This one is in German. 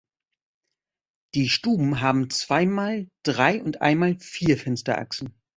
Die Stuben haben zweimal drei und einmal vier Fensterachsen.